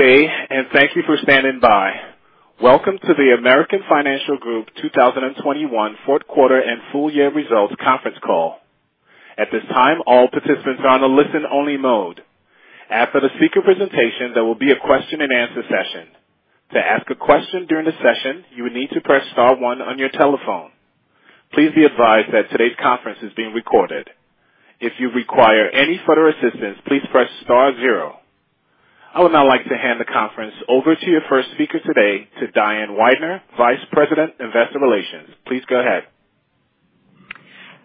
Good day and thank you for standing by. Welcome to the American Financial Group 2021 fourth quarter and full year results conference call. At this time, all participants are on a listen only mode. After the speaker presentation, there will be a question and answer session. To ask a question during the session, you would need to press star one on your telephone. Please be advised that today's conference is being recorded. If you require any further assistance, please press star zero. I would now like to hand the conference over to your first speaker today, to Diane Weidner, Vice President, Investor Relations. Please go ahead.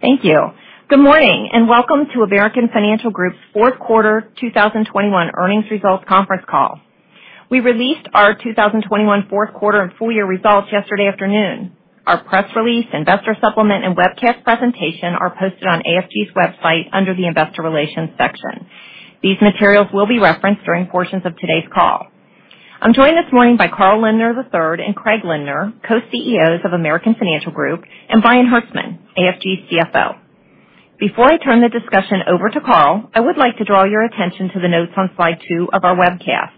Thank you. Good morning and welcome to American Financial Group's fourth quarter 2021 earnings results conference call. We released our 2021 fourth quarter and full year results yesterday afternoon. Our press release, investor supplement, and webcast presentation are posted on AFG's website under the Investor Relations section. These materials will be referenced during portions of today's call. I'm joined this morning by Carl Lindner III and Craig Lindner, Co-CEOs of American Financial Group, and Brian Hertzman, AFG's CFO. Before I turn the discussion over to Carl, I would like to draw your attention to the notes on slide two of our webcast.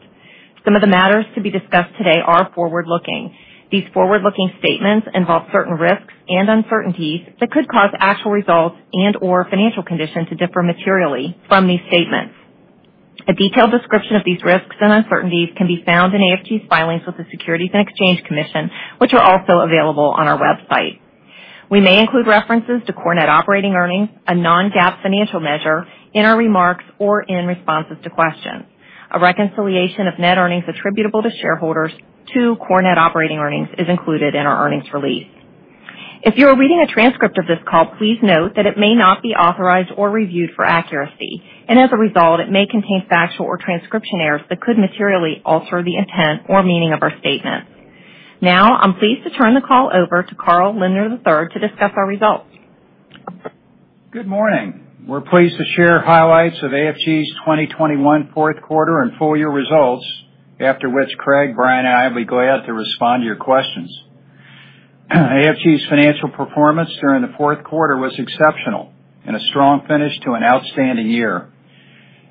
Some of the matters to be discussed today are forward-looking. These forward-looking statements involve certain risks and uncertainties that could cause actual results and/or financial conditions to differ materially from these statements. A detailed description of these risks and uncertainties can be found in AFG's filings with the Securities and Exchange Commission, which are also available on our website. We may include references to core net operating earnings, a non-GAAP financial measure, in our remarks or in responses to questions. A reconciliation of net earnings attributable to shareholders to core net operating earnings is included in our earnings release. If you are reading a transcript of this call, please note that it may not be authorized or reviewed for accuracy, and as a result, it may contain factual or transcription errors that could materially alter the intent or meaning of our statements. Now, I'm pleased to turn the call over to Carl Lindner III to discuss our results. Good morning. We're pleased to share highlights of AFG's 2021 fourth quarter and full year results, after which Craig, Brian, and I will be glad to respond to your questions. AFG's financial performance during the fourth quarter was exceptional and a strong finish to an outstanding year.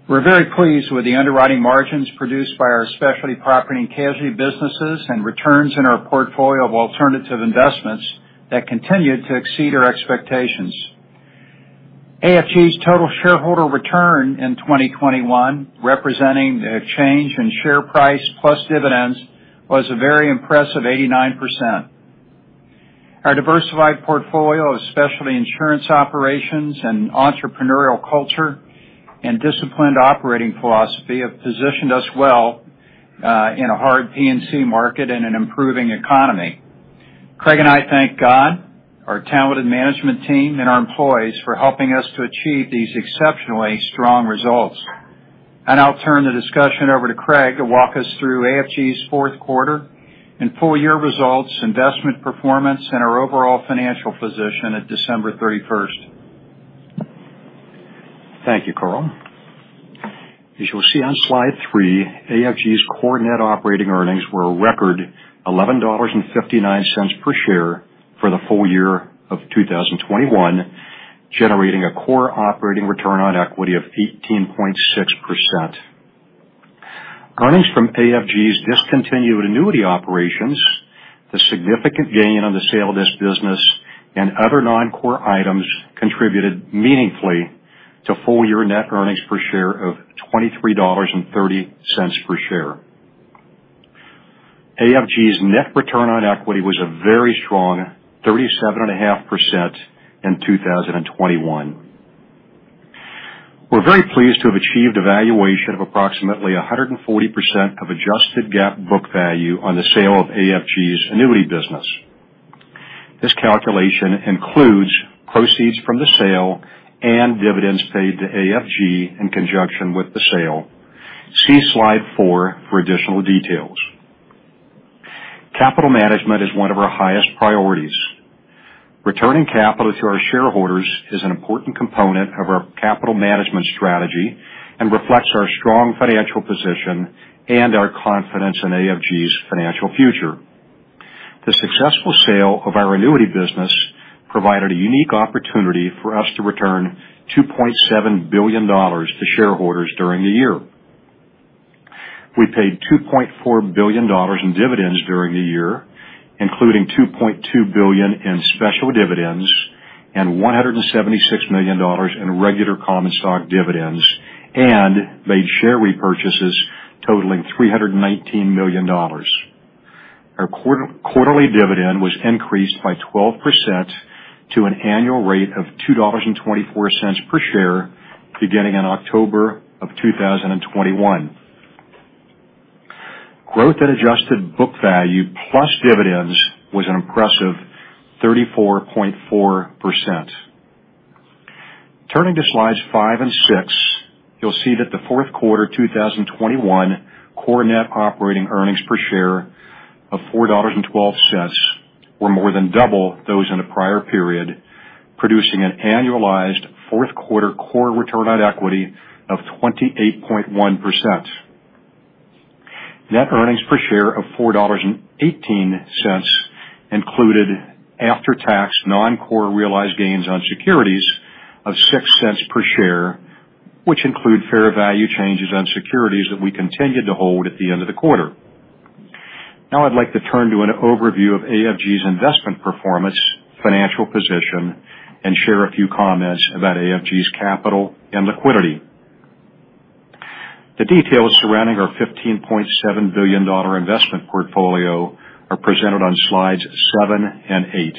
We're very pleased with the underwriting margins produced by our Specialty Property and Casualty businesses and returns in our portfolio of alternative investments that continued to exceed our expectations. AFG's total shareholder return in 2021, representing the change in share price plus dividends, was a very impressive 89%. Our diversified portfolio of specialty insurance operations and entrepreneurial culture and disciplined operating philosophy have positioned us well, in a hard P&C market and an improving economy. Craig and I thank God, our talented management team, and our employees for helping us to achieve these exceptionally strong results. I'll turn the discussion over to Craig to walk us through AFG's fourth quarter and full year results, investment performance, and our overall financial position at December 31st. Thank you, Carl. As you'll see on slide three, AFG's core net operating earnings were a record $11.59 per share for the full year of 2021, generating a core operating return on equity of 18.6%. Earnings from AFG's discontinued annuity operations, the significant gain on the sale of this business, and other non-core items contributed meaningfully to full year net earnings per share of $23.30 per share. AFG's net return on equity was a very strong 37.5% in 2021. We're very pleased to have achieved a valuation of approximately 140% of adjusted GAAP book value on the sale of AFG's annuity business. This calculation includes proceeds from the sale and dividends paid to AFG in conjunction with the sale. See slide four for additional details. Capital management is one of our highest priorities. Returning capital to our shareholders is an important component of our capital management strategy and reflects our strong financial position and our confidence in AFG's financial future. The successful sale of our annuity business provided a unique opportunity for us to return $2.7 billion to shareholders during the year. We paid $2.4 billion in dividends during the year, including $2.2 billion in special dividends and $176 million in regular common stock dividends, and made share repurchases totaling $319 million. Our quarterly dividend was increased by 12% to an annual rate of $2.24 per share beginning in October of 2021. Growth and adjusted book value plus dividends was an impressive 34.4%. Turning to slides five and six, you'll see that the fourth quarter 2021 core net operating earnings per share of $4.12 were more than double those in the prior period, producing an annualized fourth quarter core return on equity of 28.1%. Net earnings per share of $4.18 included after-tax non-core realized gains on securities of $0.06 per share, which include fair value changes on securities that we continued to hold at the end of the quarter. Now I'd like to turn to an overview of AFG's investment performance, financial position, and share a few comments about AFG's capital and liquidity. The details surrounding our $15.7 billion investment portfolio are presented on slides seven and eight.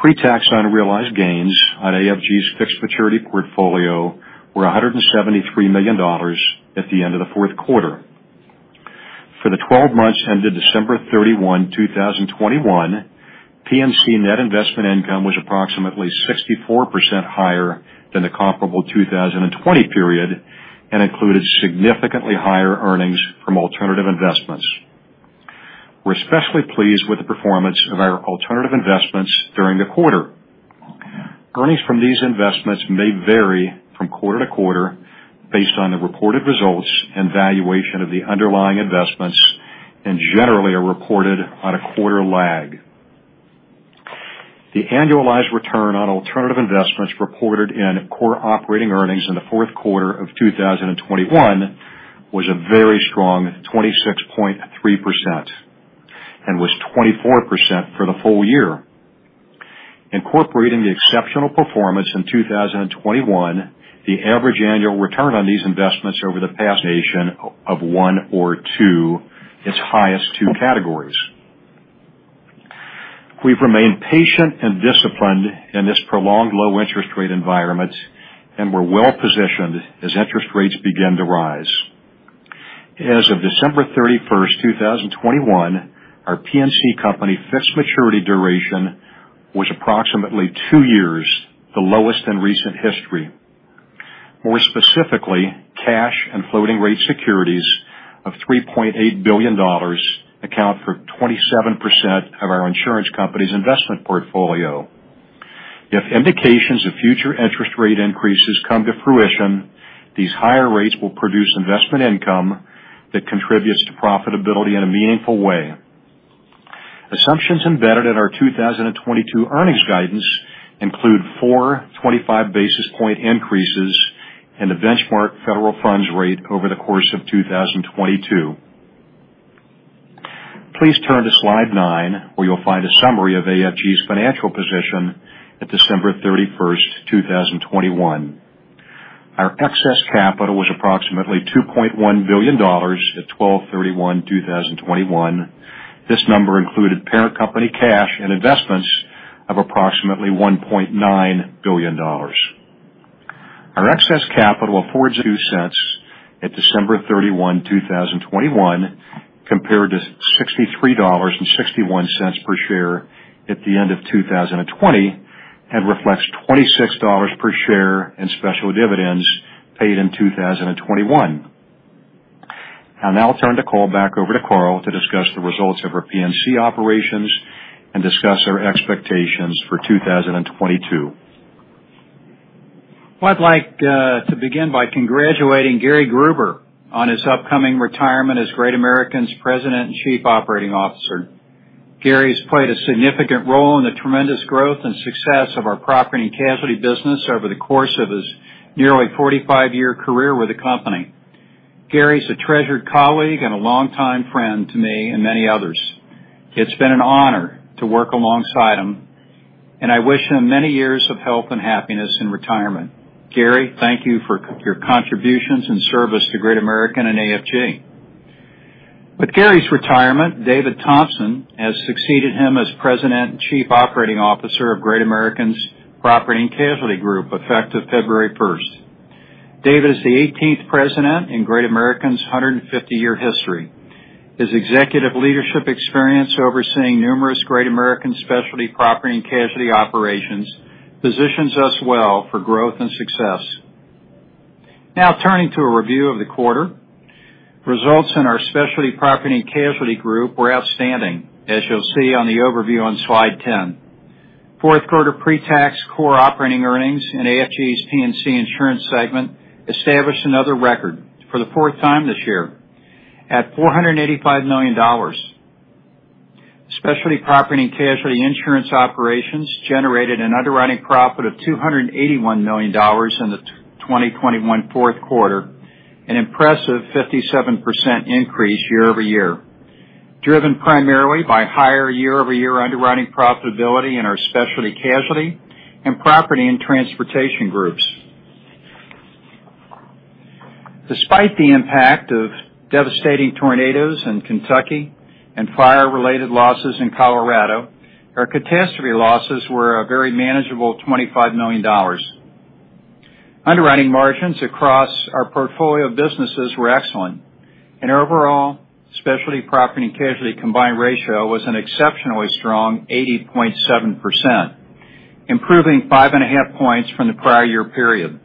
Pre-tax unrealized gains on AFG's fixed maturity portfolio were $173 million at the end of the fourth quarter. For the 12 months ended December 31, 2021, P&C net investment income was approximately 64% higher than the comparable 2020 period, and included significantly higher earnings from alternative investments. We're especially pleased with the performance of our alternative investments during the quarter. Earnings from these investments may vary from quarter to quarter based on the reported results and valuation of the underlying investments, and generally are reported on a quarter lag. The annualized return on alternative investments reported in core operating earnings in the fourth quarter of 2021 was a very strong 26.3%, and was 24% for the full year. Incorporating the exceptional performance in 2021, the average annual return on these investments over the past nation of one or two is highest two categories. We've remained patient and disciplined in this prolonged low interest rate environment, and we're well-positioned as interest rates begin to rise. As of December 31st, 2021, our P&C company fixed maturity duration was approximately 2 years, the lowest in recent history. More specifically, cash and floating rate securities of $3.8 billion account for 27% of our insurance company's investment portfolio. If indications of future interest rate increases come to fruition, these higher rates will produce investment income that contributes to profitability in a meaningful way. Assumptions embedded in our 2022 earnings guidance include 425 basis point increases in the benchmark federal funds rate over the course of 2022. Please turn to slide nine, where you'll find a summary of AFG's financial position at December 31st, 2021. Our excess capital was approximately $2.1 billion at 12/31/2021. This number included parent company cash and investments of approximately $1.9 billion. Our excess capital of $0.42 at December 31, 2021, compared to $63.61 per share at the end of 2020, and reflects $26 per share in special dividends paid in 2021. I'll now turn the call back over to Carl to discuss the results of our P&C operations and discuss our expectations for 2022. Well, I'd like to begin by congratulating Gary Gruber on his upcoming retirement as Great American's President and Chief Operating Officer. Gary's played a significant role in the tremendous growth and success of our property and casualty business over the course of his nearly 45-year career with the company. Gary's a treasured colleague and a longtime friend to me and many others. It's been an honor to work alongside him, and I wish him many years of health and happiness in retirement. Gary, thank you for your contributions and service to Great American and AFG. With Gary's retirement, David Thompson has succeeded him as President and Chief Operating Officer of Great American's Property and Casualty Group, effective February first. David is the 18th president in Great American's 150-year history. His executive leadership experience overseeing numerous Great American Specialty Property and Casualty operations positions us well for growth and success. Now, turning to a review of the quarter. Results in our Specialty Property and Casualty Group were outstanding, as you'll see on the overview on slide 10. Fourth quarter pre-tax core operating earnings in AFG's P&C insurance segment established another record for the fourth time this year at $485 million. Specialty Property and Casualty Insurance operations generated an underwriting profit of $281 million in the 2021 fourth quarter, an impressive 57% increase year-over-year, driven primarily by higher year-over-year underwriting profitability in our specialty casualty and property and transportation groups. Despite the impact of devastating tornadoes in Kentucky and fire-related losses in Colorado, our catastrophe losses were a very manageable $25 million. Underwriting margins across our portfolio of businesses were excellent, and overall, Specialty Property and Casualty combined ratio was an exceptionally strong 80.7%, improving 5.5 points from the prior year period.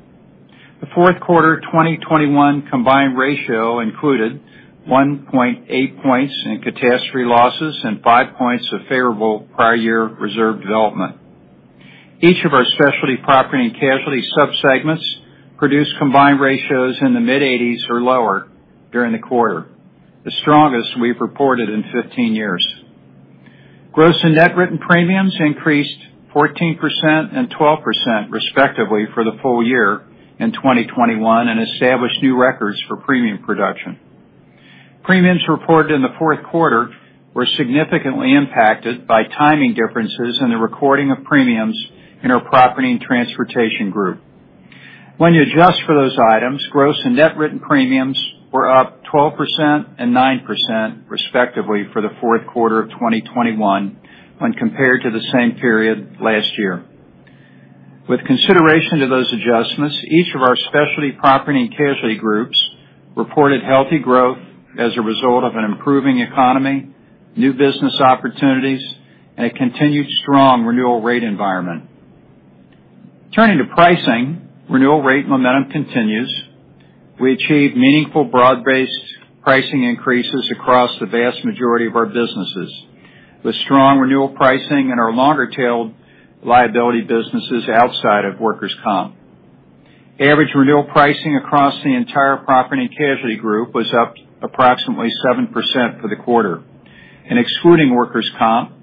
The fourth quarter 2021 combined ratio included 1.8 points in catastrophe losses and 5 points of favorable prior year reserve development. Each of our Specialty Property and Casualty subsegments produced combined ratios in the mid-80s or lower during the quarter, the strongest we've reported in 15 years. Gross and net written premiums increased 14% and 12% respectively for the full year in 2021, and established new records for premium production. Premiums reported in the fourth quarter were significantly impacted by timing differences in the recording of premiums in our Property and Transportation Group. When you adjust for those items, gross and net written premiums were up 12% and 9% respectively for the fourth quarter of 2021 when compared to the same period last year. With consideration to those adjustments, each of our Specialty Property and Casualty groups reported healthy growth as a result of an improving economy, new business opportunities, and a continued strong renewal rate environment. Turning to pricing, renewal rate momentum continues. We achieved meaningful broad-based pricing increases across the vast majority of our businesses, with strong renewal pricing in our longer-tailed liability businesses outside of workers' comp. Average renewal pricing across the entire Property and Casualty Group was up approximately 7% for the quarter. Excluding workers' comp,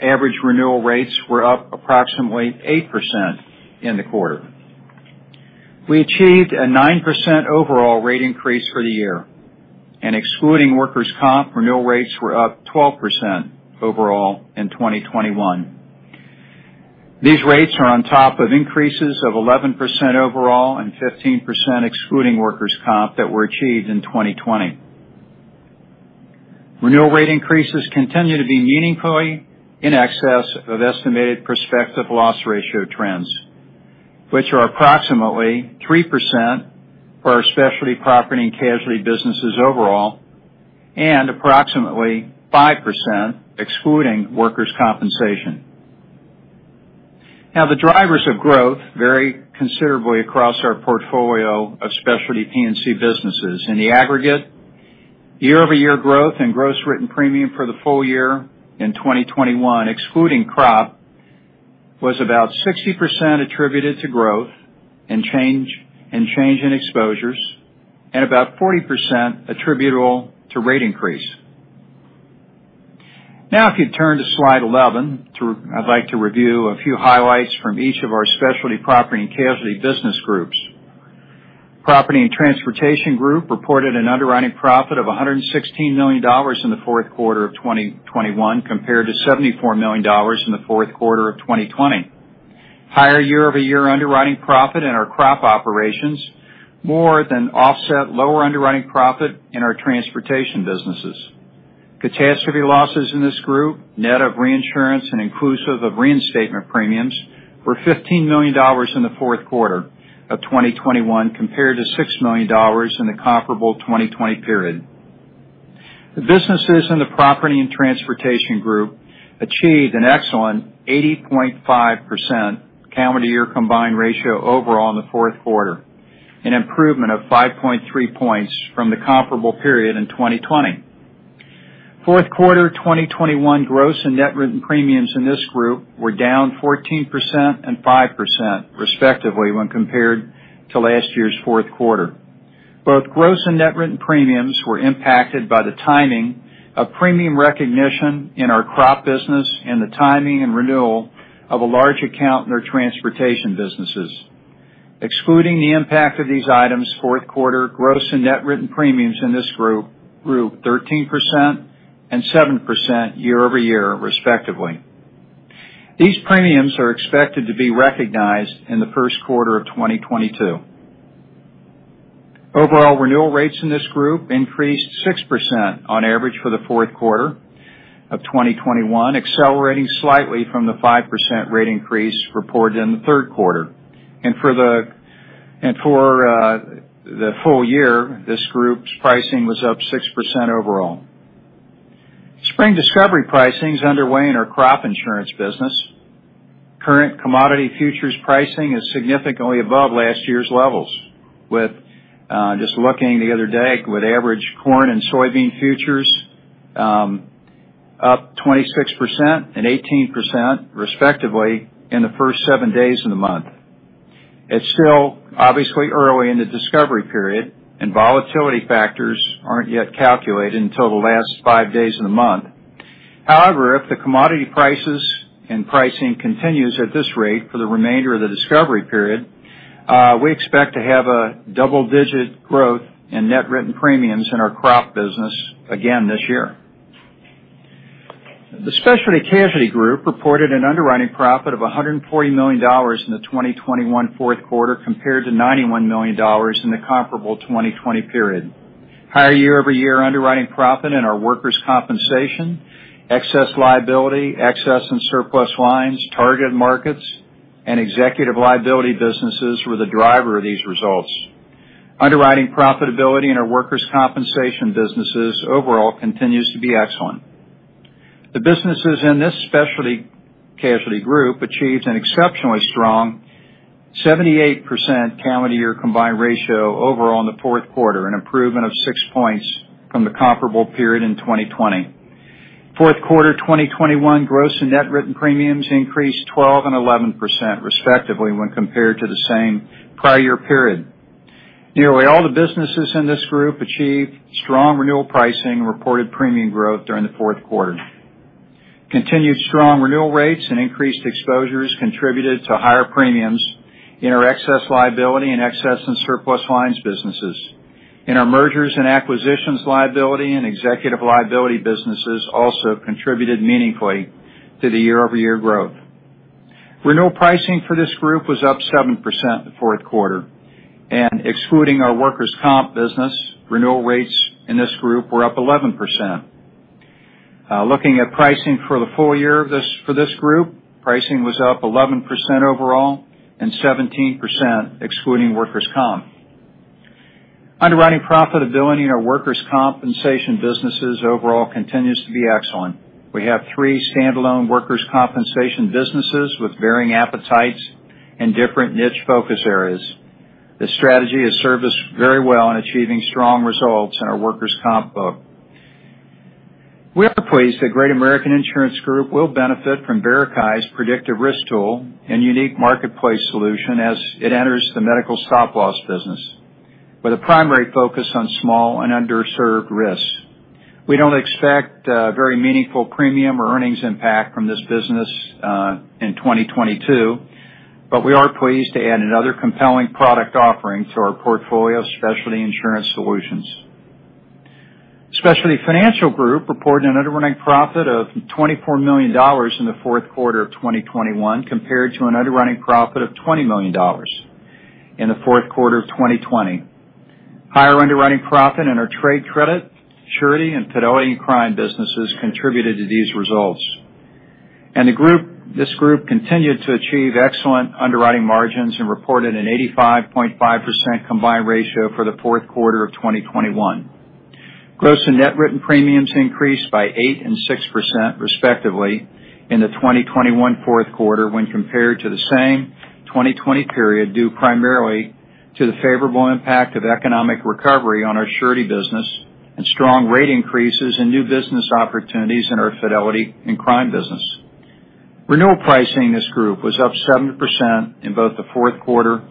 average renewal rates were up approximately 8% in the quarter. We achieved a 9% overall rate increase for the year. Excluding workers' comp, renewal rates were up 12% overall in 2021. These rates are on top of increases of 11% overall and 15% excluding workers' comp that were achieved in 2020. Renewal rate increases continue to be meaningfully in excess of estimated prospective loss ratio trends, which are approximately 3% for our Specialty Property and Casualty businesses overall and approximately 5% excluding workers' compensation. Now, the drivers of growth vary considerably across our portfolio of specialty P&C businesses. In the aggregate, year-over-year growth in gross written premium for the full year in 2021, excluding crop, was about 60% attributed to growth in exposures, and about 40% attributable to rate increase. Now if you turn to slide 11 through, I'd like to review a few highlights from each of our Specialty Property and Casualty business groups. Property and Transportation Group reported an underwriting profit of $116 million in the fourth quarter of 2021 compared to $74 million in the fourth quarter of 2020. Higher year-over-year underwriting profit in our crop operations more than offset lower underwriting profit in our Transportation businesses. Catastrophe losses in this group, net of reinsurance and inclusive of reinstatement premiums, were $15 million in the fourth quarter of 2021 compared to $6 million in the comparable 2020 period. The businesses in the Property and Transportation Group achieved an excellent 80.5% calendar year combined ratio overall in the fourth quarter, an improvement of 5.3 points from the comparable period in 2020. Fourth quarter 2021 gross and net written premiums in this group were down 14% and 5% respectively when compared to last year's fourth quarter. Both gross and net written premiums were impacted by the timing of premium recognition in our Crop business and the timing and renewal of a large account in our Transportation businesses. Excluding the impact of these items, fourth quarter 2021 gross and net written premiums in this group grew 13% and 7% year-over-year, respectively. These premiums are expected to be recognized in the first quarter of 2022. Overall renewal rates in this group increased 6% on average for the fourth quarter of 2021, accelerating slightly from the 5% rate increase reported in the third quarter. The full year, this group's pricing was up 6% overall. Spring discovery pricing is underway in our crop insurance business. Current commodity futures pricing is significantly above last year's levels, with just looking the other day with average corn and soybean futures up 26% and 18% respectively in the first 7 days of the month. It's still obviously early in the discovery period, and volatility factors aren't yet calculated until the last 5 days of the month. However, if the commodity prices and pricing continues at this rate for the remainder of the discovery period, we expect to have a double-digit growth in net written premiums in our Crop business again this year. The Specialty Casualty Group reported an underwriting profit of $140 million in the 2021 fourth quarter compared to $91 million in the comparable 2020 period. Higher year-over-year underwriting profit in our workers' compensation, excess liability, excess and surplus lines, targeted markets, and executive liability businesses were the driver of these results. Underwriting profitability in our workers' compensation businesses overall continues to be excellent. The businesses in this Specialty Casualty Group achieved an exceptionally strong 78% calendar year combined ratio overall in the fourth quarter, an improvement of 6 points from the comparable period in 2020. Fourth quarter 2021 gross and net written premiums increased 12% and 11% respectively when compared to the same prior year period. Nearly all the businesses in this group achieved strong renewal pricing and reported premium growth during the fourth quarter. Continued strong renewal rates and increased exposures contributed to higher premiums in our excess liability and excess and surplus lines businesses. In our mergers and acquisitions liability and executive liability businesses also contributed meaningfully to the year-over-year growth. Renewal pricing for this group was up 7% in the fourth quarter. Excluding our workers' comp business, renewal rates in this group were up 11%. Looking at pricing for the full year for this group, pricing was up 11% overall and 17% excluding workers' comp. Underwriting profitability in our workers' compensation businesses overall continues to be excellent. We have three standalone workers' compensation businesses with varying appetites and different niche focus areas. This strategy has served us very well in achieving strong results in our workers' comp book. We are pleased that Great American Insurance Group will benefit from Verisk's predictive risk tool and unique marketplace solution as it enters the medical stop-loss business, with a primary focus on small and underserved risks. We don't expect very meaningful premium or earnings impact from this business in 2022, but we are pleased to add another compelling product offering to our portfolio of specialty insurance solutions. Specialty Financial Group reported an underwriting profit of $24 million in the fourth quarter of 2021 compared to an underwriting profit of $20 million in the fourth quarter of 2020. Higher underwriting profit in our trade credit, surety, and fidelity and crime businesses contributed to these results. This group continued to achieve excellent underwriting margins and reported an 85.5% combined ratio for the fourth quarter of 2021. Gross and net written premiums increased by 8% and 6%, respectively, in the 2021 fourth quarter when compared to the same 2020 period, due primarily to the favorable impact of economic recovery on our surety business and strong rate increases and new business opportunities in our fidelity and crime business. Renewal pricing in this group was up 7% in both the fourth quarter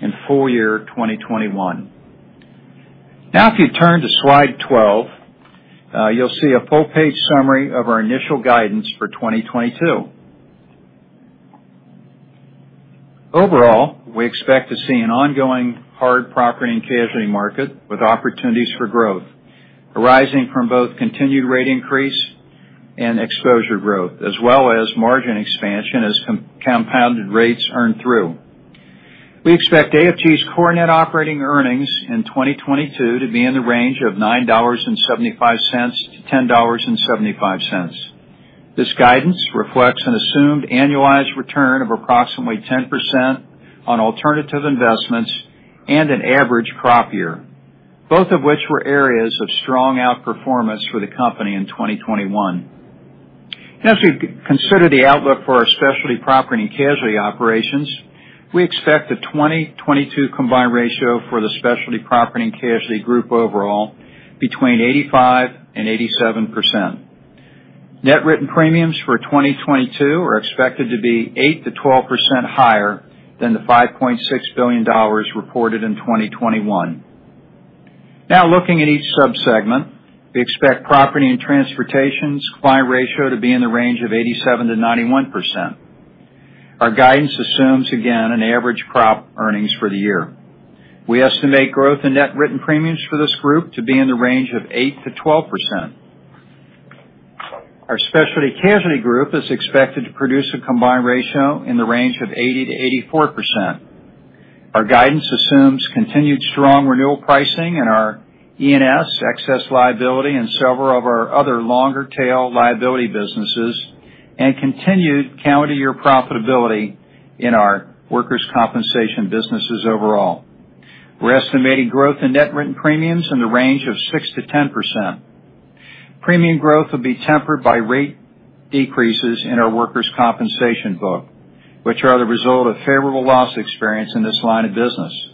and full year 2021. Now if you turn to slide 12, you'll see a full-page summary of our initial guidance for 2022. Overall, we expect to see an ongoing hard property and casualty market with opportunities for growth arising from both continued rate increase and exposure growth as well as margin expansion as compounded rates earn through. We expect AFG's core net operating earnings in 2022 to be in the range of $9.75-$10.75. This guidance reflects an assumed annualized return of approximately 10% on alternative investments and an average crop year, both of which were areas of strong outperformance for the company in 2021. As we consider the outlook for our specialty property and casualty operations, we expect the 2022 combined ratio for the Specialty Property and Casualty Group overall between 85% and 87%. Net written premiums for 2022 are expected to be 8%-12% higher than the $5.6 billion reported in 2021. Now looking at each sub-segment, we expect Property and Transportation's combined ratio to be in the range of 87%-91%. Our guidance assumes, again, an average crop earnings for the year. We estimate growth in net written premiums for this group to be in the range of 8%-12%. Our Specialty Casualty Group is expected to produce a combined ratio in the range of 80%-84%. Our guidance assumes continued strong renewal pricing in our E&S, excess liability, and several of our other longer-tail liability businesses and continued calendar year profitability in our workers' compensation businesses overall. We're estimating growth in net written premiums in the range of 6%-10%. Premium growth will be tempered by rate decreases in our workers' compensation book, which are the result of favorable loss experience in this line of business.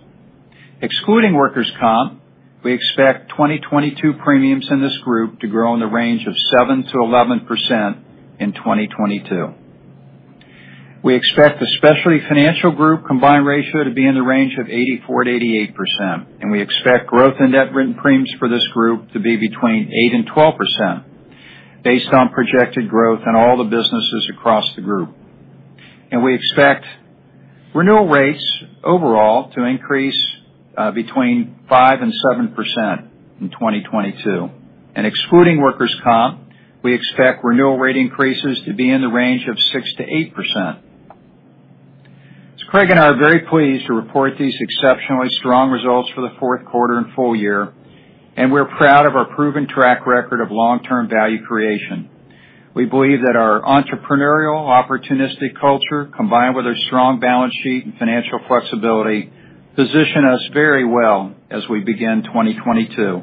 Excluding workers' comp, we expect 2022 premiums in this group to grow in the range of 7%-11% in 2022. We expect the Specialty Financial Group combined ratio to be in the range of 84%-88%, and we expect growth in net written premiums for this group to be between 8% and 12% based on projected growth in all the businesses across the group. We expect renewal rates overall to increase between 5% and 7% in 2022. Excluding workers' comp, we expect renewal rate increases to be in the range of 6%-8%. Craig and I are very pleased to report these exceptionally strong results for the fourth quarter and full year, and we're proud of our proven track record of long-term value creation. We believe that our entrepreneurial, opportunistic culture, combined with a strong balance sheet and financial flexibility, position us very well as we begin 2022.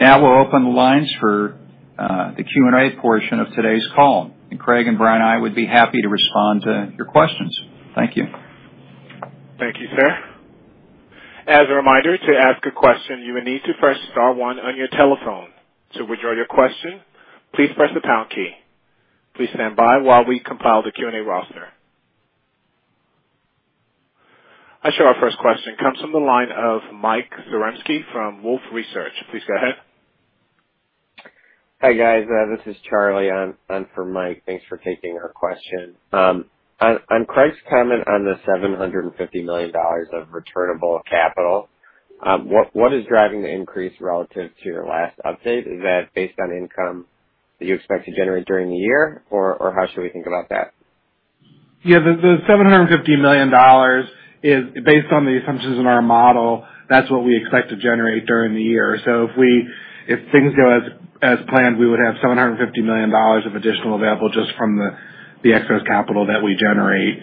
Now we'll open the lines for the Q&A portion of today's call, and Craig and Brian and I would be happy to respond to your questions. Thank you. Thank you, sir. As a reminder, to ask a question, you will need to press star one on your telephone. To withdraw your question, please press the pound key. Please stand by while we compile the Q&A roster. I show our first question comes from the line of Mike Zaremski from Wolfe Research. Please go ahead. Hi, guys. This is Charlie in for Mike. Thanks for taking our question. On Craig's comment on the $750 million of returnable capital, what is driving the increase relative to your last update? Is that based on income that you expect to generate during the year, or how should we think about that? Yeah, the $750 million is based on the assumptions in our model. That's what we expect to generate during the year. If things go as planned, we would have $750 million of additional available just from the excess capital that we generate.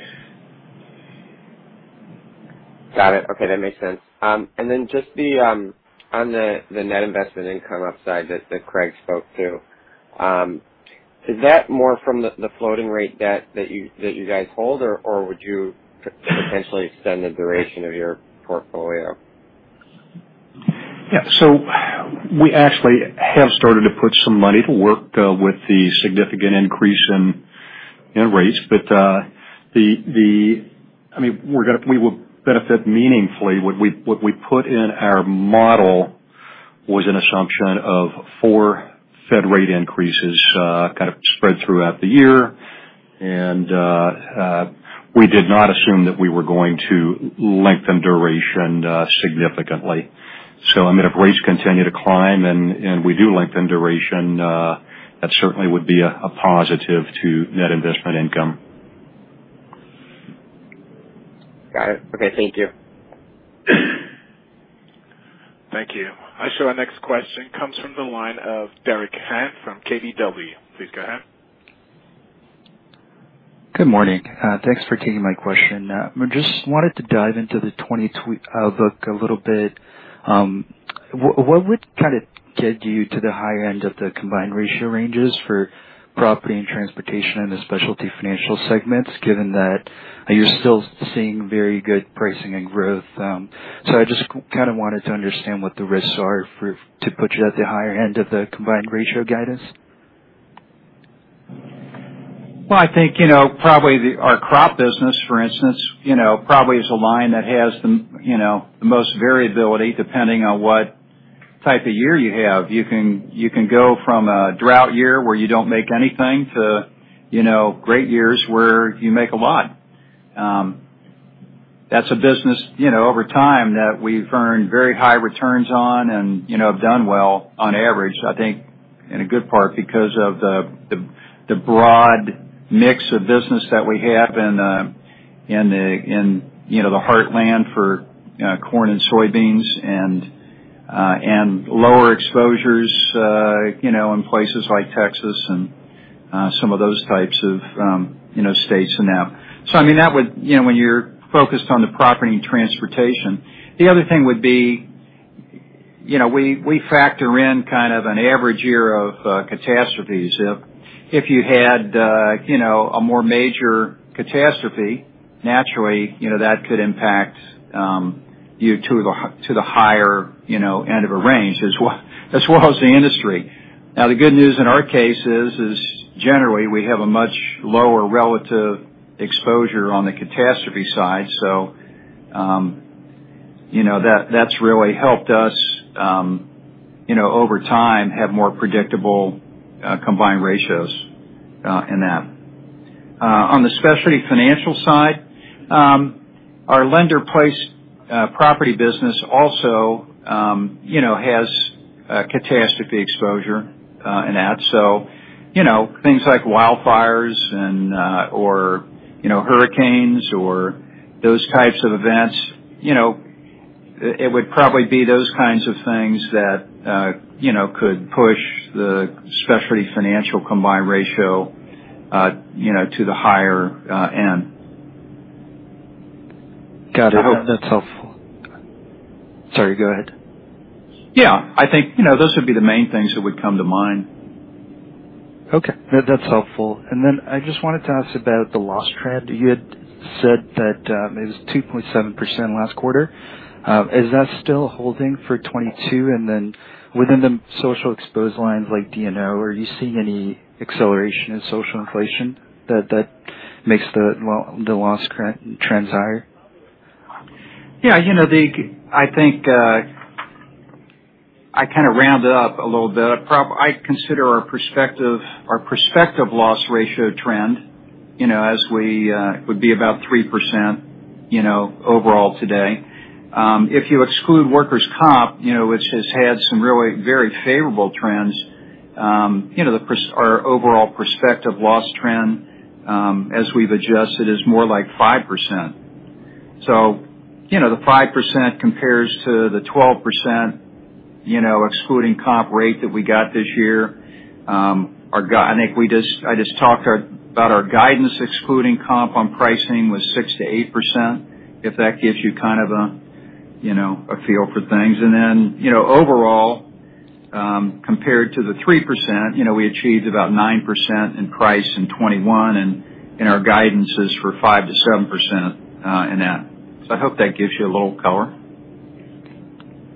Got it. Okay, that makes sense. Just on the net investment income upside that Craig spoke to, is that more from the floating rate debt that you guys hold, or would you potentially extend the duration of your portfolio? Yeah, we actually have started to put some money to work with the significant increase in rates. I mean, we will benefit meaningfully. What we put in our model was an assumption of 4 Fed rate increases, kind of spread throughout the year. We did not assume that we were going to lengthen duration significantly. I mean, if rates continue to climb and we do lengthen duration, that certainly would be a positive to net investment income. Got it. Okay. Thank you. Thank you. I show our next question comes from the line of Derek Han from KBW. Please go ahead. Good morning. Thanks for taking my question. I just wanted to dive into the book a little bit. What would kind of get you to the higher end of the combined ratio ranges for Property and Transportation in the Specialty Financial segments, given that you're still seeing very good pricing and growth? I just kind of wanted to understand what the risks are to put you at the higher end of the combined ratio guidance. Well, I think, you know, probably our crop business, for instance, you know, probably is a line that has, you know, the most variability depending on what type of year you have. You can go from a drought year where you don't make anything to, you know, great years where you make a lot. That's a business, you know, over time that we've earned very high returns on and, you know, have done well on average, I think in a good part because of the broad mix of business that we have in the heartland for corn and soybeans and lower exposures, you know, in places like Texas and some of those types of, you know, states in that. I mean, that would, you know, when you're focused on the Property and Transportation. The other thing would be, you know, we factor in kind of an average year of catastrophes. If you had, you know, a more major catastrophe, naturally, you know, that could impact you to the higher, you know, end of a range as well as the industry. Now, the good news in our case is generally we have a much lower relative exposure on the catastrophe side. You know, that's really helped us, you know, over time have more predictable combined ratios in that. On the Specialty Financial side, our lender-placed property business also, you know, has catastrophe exposure in that. You know, things like wildfires and, you know, hurricanes or those types of events. You know, it would probably be those kinds of things that, you know, could push the Specialty Financial combined ratio, you know, to the higher end. Got it. I hope that's helpful. Sorry, go ahead. Yeah. I think, you know, those would be the main things that would come to mind. Okay. That's helpful. I just wanted to ask about the loss trend. You had said that it was 2.7% last quarter. Is that still holding for 2022? Within the social exposed lines like D&O, are you seeing any acceleration in social inflation that makes the loss trend higher? Yeah. You know, I think I kind of rounded up a little bit. I consider our prospective loss ratio trend, you know, as we would be about 3%, you know, overall today. If you exclude workers' comp, you know, which has had some really very favorable trends, you know, our overall prospective loss trend, as we've adjusted is more like 5%. You know, the 5% compares to the 12%, you know, excluding comp rate that we got this year. I think we just talked about our guidance excluding comp on pricing was 6%-8%, if that gives you kind of a, you know, a feel for things. You know, overall, compared to the 3%, you know, we achieved about 9% in price in 2021 and our guidance is for 5%-7% in that. I hope that gives you a little color.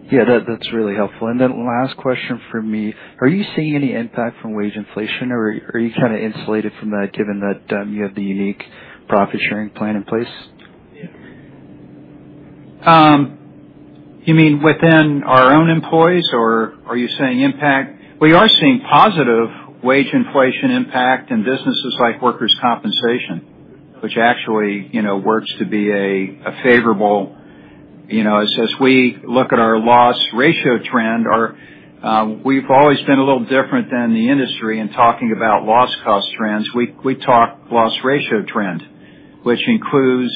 Yeah, that's really helpful. Then last question from me, are you seeing any impact from wage inflation or are you kind of insulated from that given that, you have the unique profit sharing plan in place? You mean within our own employees or are you saying impact? We are seeing positive wage inflation impact in businesses like workers' compensation, which actually, you know, works to be a favorable, you know, as we look at our loss ratio trend. Our we've always been a little different than the industry in talking about loss cost trends. We talk loss ratio trend, which includes,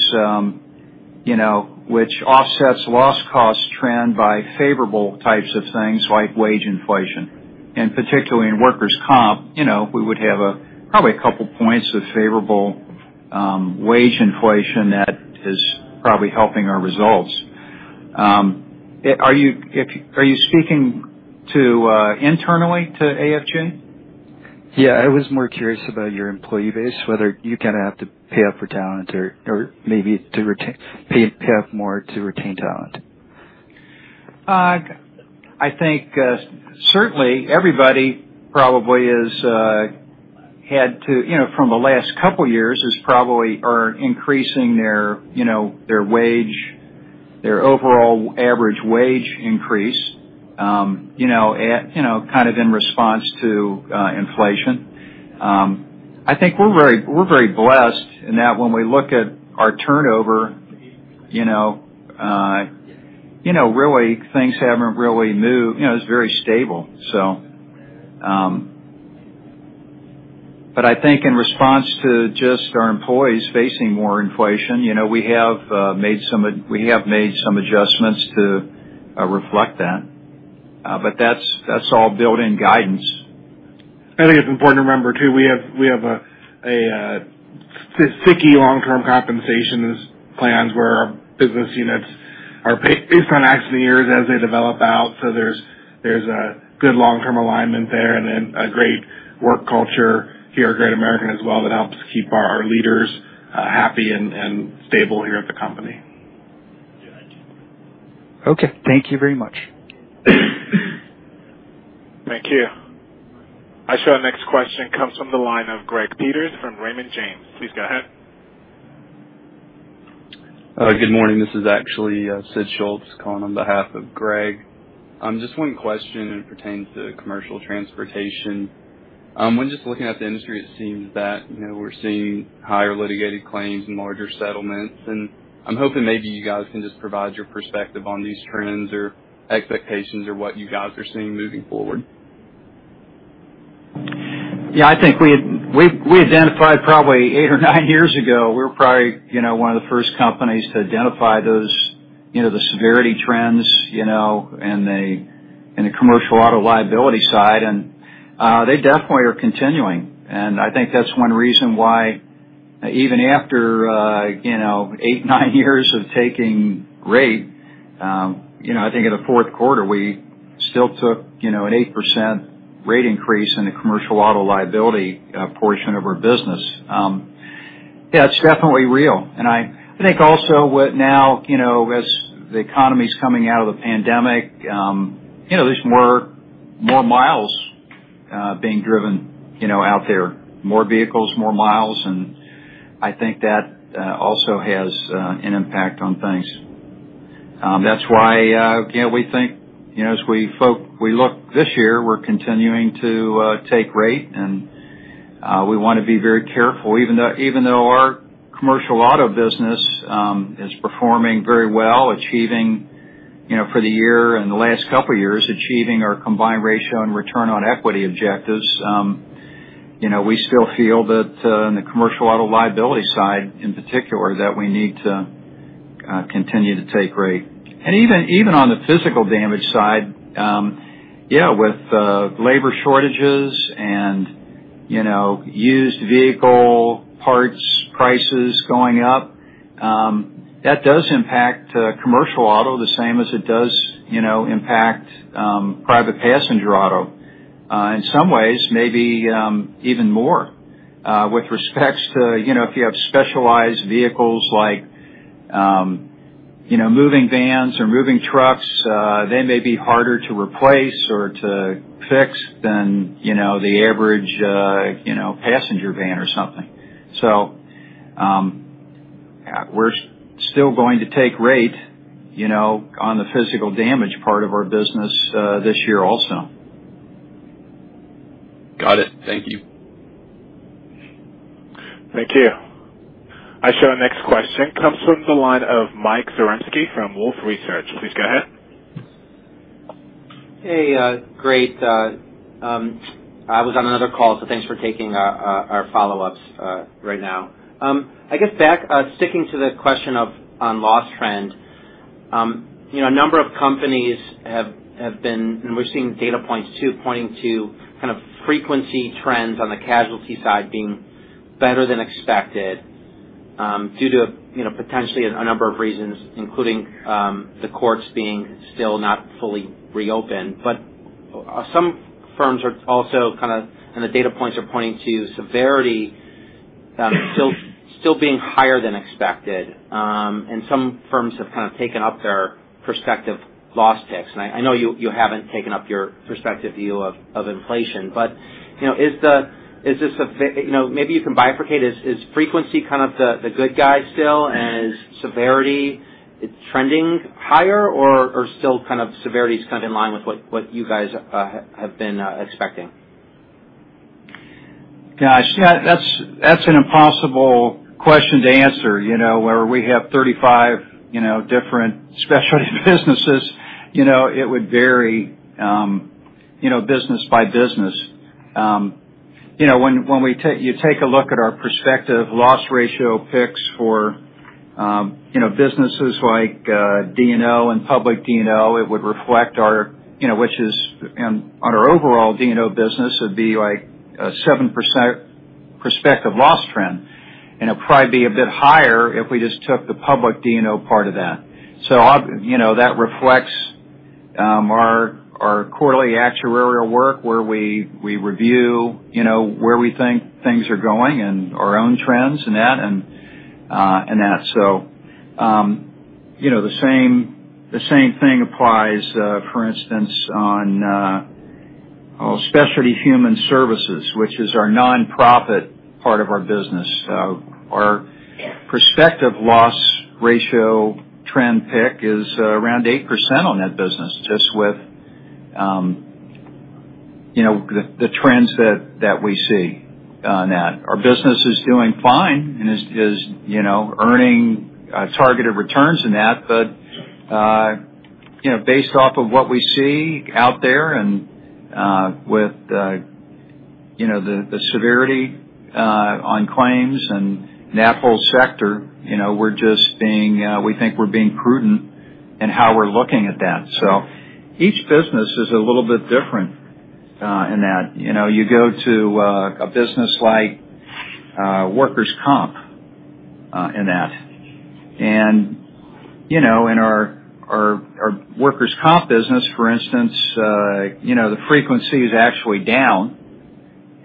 you know, which offsets loss cost trend by favorable types of things like wage inflation. Particularly in workers' comp, you know, we would have probably a couple points of favorable wage inflation that is probably helping our results. Are you speaking internally to AFG? Yeah, I was more curious about your employee base, whether you kind of have to pay up for talent or maybe to retain, pay up more to retain talent. I think certainly everybody probably has had to, you know, from the last couple years, is probably increasing their, you know, their overall average wage increase, you know, kind of in response to inflation. I think we're very blessed in that when we look at our turnover, you know, really things haven't really moved. You know, it's very stable. But I think in response to just our employees facing more inflation, you know, we have made some adjustments to reflect that. That's all built in guidance. I think it's important to remember, too, we have a sticky long-term compensation plans where our business units are based on actual years as they develop out. There's a good long-term alignment there and then a great work culture here at Great American as well that helps keep our leaders happy and stable here at the company. Okay. Thank you very much. Thank you. I show our next question comes from the line of Greg Peters from Raymond James. Please go ahead. Good morning. This is actually, Sidney Schultz calling on behalf of Greg. Just one question and it pertains to commercial transportation. When just looking at the industry, it seems that, you know, we're seeing higher litigated claims and larger settlements. I'm hoping maybe you guys can just provide your perspective on these trends or expectations or what you guys are seeing moving forward. Yeah. I think we identified probably eight or nine years ago, we were probably, you know, one of the first companies to identify those, you know, the severity trends, you know, in a commercial auto liability side. They definitely are continuing. I think that's one reason why even after, you know, eight, nine years of taking rate, you know, I think in the fourth quarter, we still took, you know, an 8% rate increase in the commercial auto liability portion of our business. Yeah, it's definitely real. I think also now, you know, as the economy's coming out of the pandemic, you know, there's more miles being driven, you know, out there. More vehicles, more miles, and I think that also has an impact on things. That's why, you know, we think, you know, as we look this year, we're continuing to take rate and we want to be very careful. Even though our commercial auto business is performing very well, achieving, you know, for the year and the last couple of years, achieving our combined ratio and return on equity objectives, you know, we still feel that in the commercial auto liability side in particular, that we need to continue to take rate. Even on the physical damage side, yeah, with labor shortages and, you know, used vehicle parts prices going up, that does impact commercial auto the same as it does, you know, impact private passenger auto. In some ways, maybe even more with respect to, you know, if you have specialized vehicles like, you know, moving vans or moving trucks, they may be harder to replace or to fix than, you know, the average, you know, passenger van or something. We're still going to take rate, you know, on the physical damage part of our business, this year also. Got it. Thank you. Thank you. I show our next question comes from the line of Michael Zaremski from Wolfe Research. Please go ahead. Hey, great. I was on another call, so thanks for taking our follow-ups right now. I guess back sticking to the question on loss trend. You know, a number of companies have been, and we're seeing data points, too, pointing to kind of frequency trends on the casualty side being better than expected, due to you know, potentially a number of reasons, including the courts being still not fully reopened. But some firms are also, and the data points are pointing to severity still being higher than expected, and some firms have kind of taken up their prospective loss picks. I know you haven't taken up your prospective view of inflation, but you know, maybe you can bifurcate. Is frequency kind of the good guy still? Is severity trending higher or still kind of severity is kind of in line with what you guys have been expecting? Gosh, that's an impossible question to answer. You know, where we have 35 different specialty businesses, you know, it would vary, you know, business by business. You know, when you take a look at our prospective loss ratio picks for, you know, businesses like D&O and public D&O, it would reflect our, you know. On our overall D&O business, it would be like a 7% prospective loss trend, and it'd probably be a bit higher if we just took the public D&O part of that. You know, that reflects our quarterly actuarial work, where we review, you know, where we think things are going and our own trends in that and that. You know, the same thing applies, for instance, on Specialty Human Services, which is our nonprofit part of our business. Our prospective loss ratio trend pick is around 8% on that business, just with, you know, the trends that we see on that. Our business is doing fine and is, you know, earning targeted returns in that. But, you know, based off of what we see out there and, with, you know, the severity on claims and that whole sector, you know, we think we're being prudent in how we're looking at that. Each business is a little bit different in that. You know, you go to a business like workers' comp in that. You know, in our workers' comp business, for instance, you know, the frequency is actually down,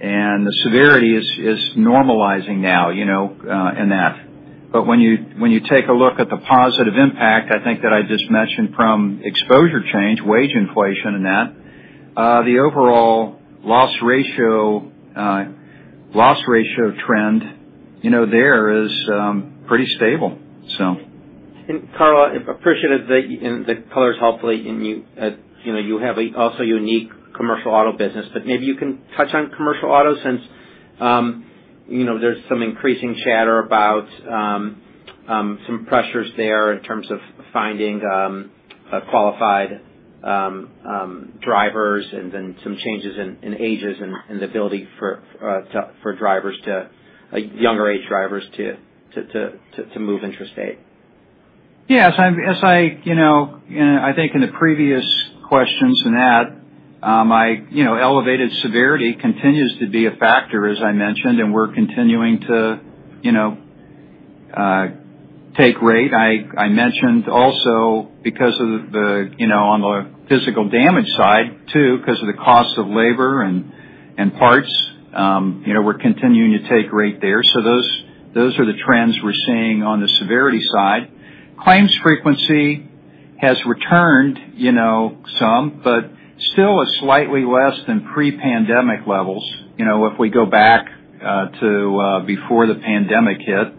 and the severity is normalizing now, you know, in that. But when you take a look at the positive impact, I think that I just mentioned from exposure change, wage inflation in that, the overall loss ratio trend, you know, there is pretty stable, so. Carl, I'm appreciative that the color is helpful to you. You know, you also have a unique commercial auto business, but maybe you can touch on commercial auto since you know, there's some increasing chatter about some pressures there in terms of finding qualified drivers and then some changes in ages and the ability for younger age drivers to move interstate. Yes, as I, you know, I think in the previous questions in that, you know, elevated severity continues to be a factor, as I mentioned, and we're continuing to, you know, take rate. I mentioned also because of the, you know, on the physical damage side, too, 'cause of the cost of labor and parts, you know, we're continuing to take rate there. So those are the trends we're seeing on the severity side. Claims frequency has returned, you know, some, but still is slightly less than pre-pandemic levels, you know, if we go back to before the pandemic hit.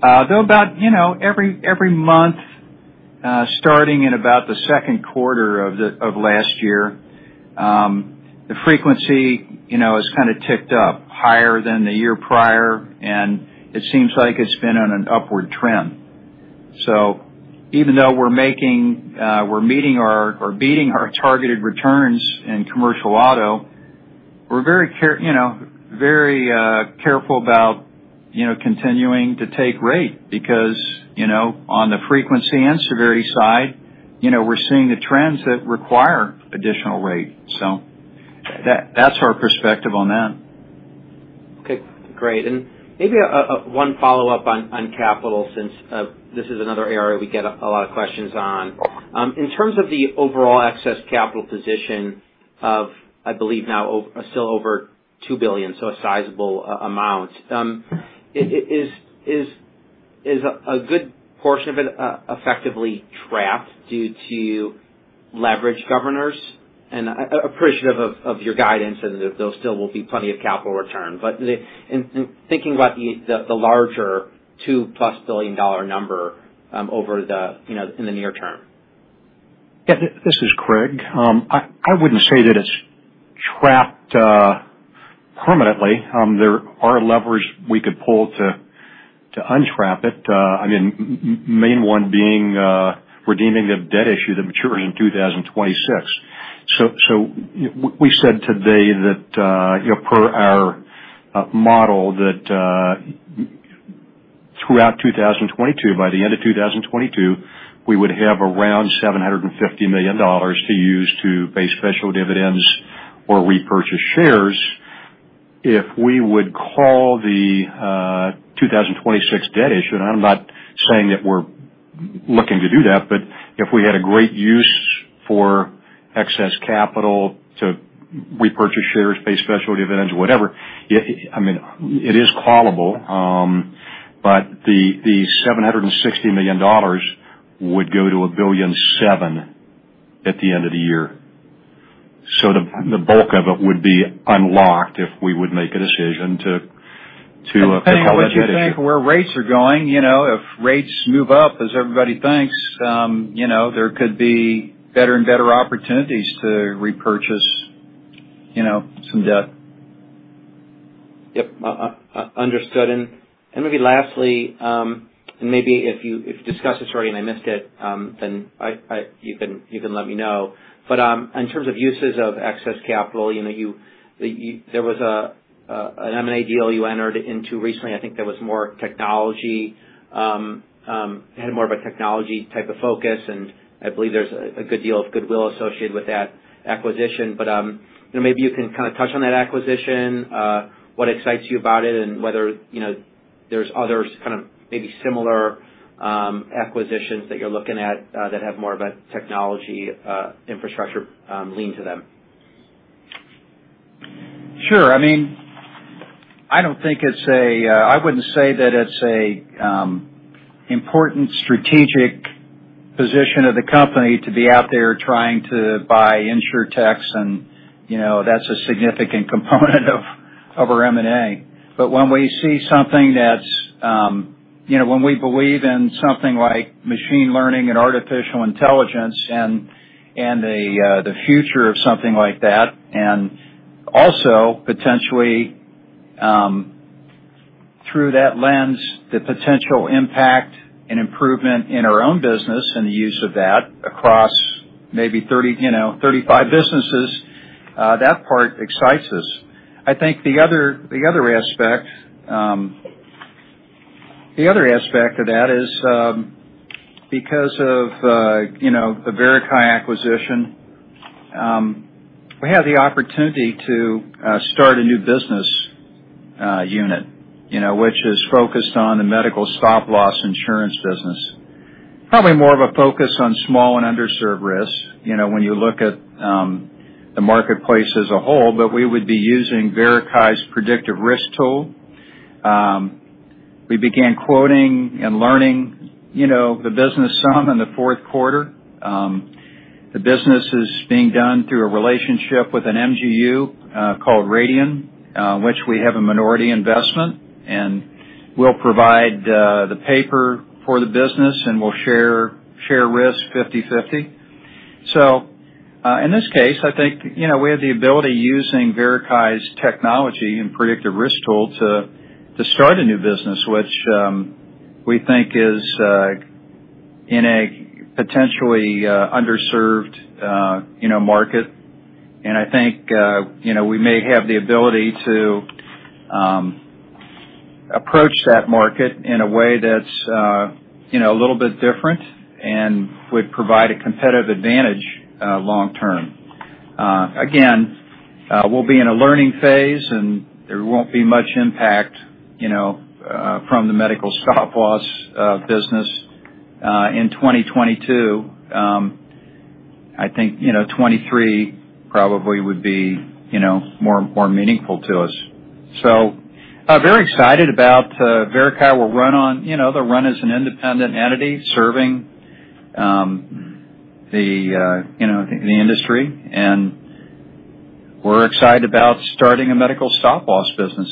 Thought about, you know, every month starting in about the second quarter of last year, the frequency, you know, has kind of ticked up higher than the year prior, and it seems like it's been on an upward trend. Even though we're meeting or beating our targeted returns in commercial auto, we're very careful about, you know, continuing to take rate because, you know, on the frequency and severity side, you know, we're seeing the trends that require additional rate. That's our perspective on that. Okay, great. Maybe one follow-up on capital since this is another area we get a lot of questions on. In terms of the overall excess capital position of, I believe, now still over $2 billion, so a sizable amount, is a good portion of it effectively trapped due to leverage governors? Appreciative of your guidance and that there still will be plenty of capital returns. In thinking about the larger $2+ billion number, you know, in the near term. Yeah. This is Craig Lindner. I wouldn't say that it's trapped permanently. There are levers we could pull to un-trap it. I mean, main one being redeeming the debt issue that matures in 2026. We said today that, you know, per our model that throughout 2022, by the end of 2022, we would have around $750 million to use to pay special dividends or repurchase shares if we would call the 2026 debt issue. I'm not saying that we're looking to do that, but if we had a great use for excess capital to repurchase shares, pay special dividends, whatever, it, I mean, it is callable, but the $760 million would go to $1.7 billion at the end of the year. The bulk of it would be unlocked if we would make a decision to call that debt issue. Depending on what you think about where rates are going, you know, if rates move up as everybody thinks, you know, there could be better and better opportunities to repurchase, you know, some debt. Yep. Understood. Maybe lastly, maybe if you discussed this already and I missed it, then you can let me know. In terms of uses of excess capital, you know, there was an M&A deal you entered into recently. I think there was more technology, had more of a technology type of focus, and I believe there's a good deal of goodwill associated with that acquisition. You know, maybe you can kind of touch on that acquisition, what excites you about it and whether, you know, there's others kind of maybe similar acquisitions that you're looking at, that have more of a technology infrastructure lean to them. Sure. I mean, I wouldn't say that it's an important strategic position of the company to be out there trying to buy insurtechs and, you know, that's not a significant component of our M&A. When we see something that's, you know, when we believe in something like machine learning and artificial intelligence and the future of something like that, and also potentially, through that lens, the potential impact and improvement in our own business and the use of that across maybe 30, you know, 35 businesses, that part excites us. I think the other aspect of that is, because of, you know, the Verikai acquisition, we have the opportunity to start a new business unit, you know, which is focused on the medical stop-loss insurance business. Probably more of a focus on small and underserved risks, you know, when you look at the marketplace as a whole, but we would be using Verikai's predictive risk tool. We began quoting and learning, you know, the business some in the fourth quarter. The business is being done through a relationship with an MGU called Radian, which we have a minority investment, and we'll provide the paper for the business and we'll share risk 50/50. In this case, I think you know we have the ability using Verikai's technology and predictive risk tool to start a new business which we think is in a potentially underserved you know market. I think you know we may have the ability to approach that market in a way that's you know a little bit different and would provide a competitive advantage long term. Again, we'll be in a learning phase, and there won't be much impact you know from the medical stop-loss business in 2022. I think you know 2023 probably would be you know more meaningful to us. Very excited about Verikai will run on, you know, they'll run as an independent entity serving the industry, and we're excited about starting a medical stop-loss business.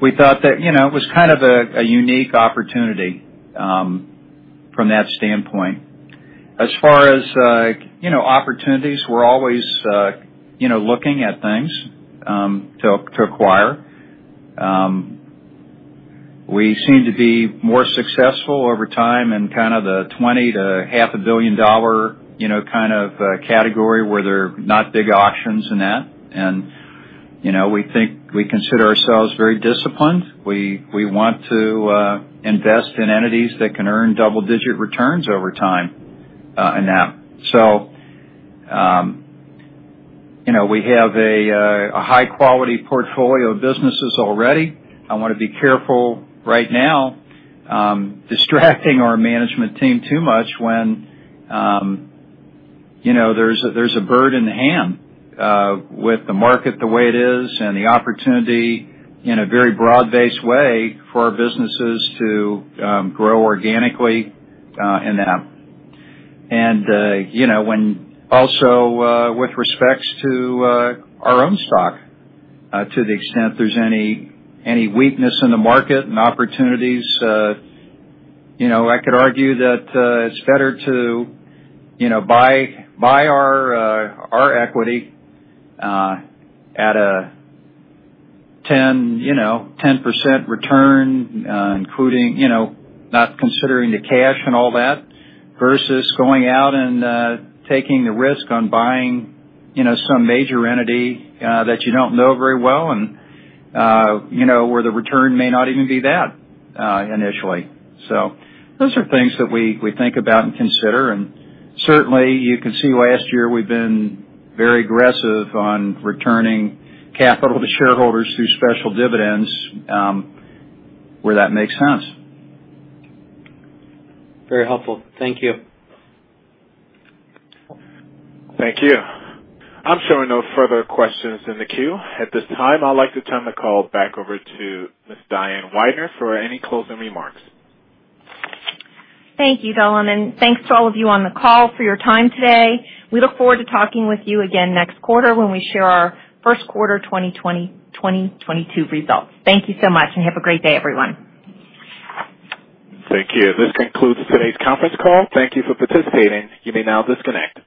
We thought that, you know, it was kind of a unique opportunity from that standpoint. As far as opportunities, you know, we're always looking at things to acquire. We seem to be more successful over time in kind of the $20 to $0.5 billion, you know, kind of category where there are not big auctions in that. You know, we think we consider ourselves very disciplined. We want to invest in entities that can earn double-digit returns over time in that. You know, we have a high-quality portfolio of businesses already. I wanna be careful right now, distracting our management team too much when, you know, there's a bird in the hand with the market the way it is and the opportunity in a very broad-based way for our businesses to grow organically in that. You know, when also, with respect to our own stock, to the extent there's any weakness in the market and opportunities, you know, I could argue that it's better to, you know, buy our equity at a 10% return, including, you know, not considering the cash and all that, versus going out and taking the risk on buying, you know, some major entity that you don't know very well and, you know, where the return may not even be bad initially. Those are things that we think about and consider. Certainly, you can see last year we've been very aggressive on returning capital to shareholders through special dividends, where that makes sense. Very helpful. Thank you. Thank you. I'm showing no further questions in the queue. At this time, I'd like to turn the call back over to Ms. Diane Weidner for any closing remarks. Thank you, Delvin, and thanks to all of you on the call for your time today. We look forward to talking with you again next quarter when we share our first quarter 2022 results. Thank you so much and have a great day, everyone. Thank you. This concludes today's conference call. Thank you for participating. You may now disconnect.